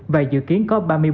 và dự kiến thành phố mới phía đông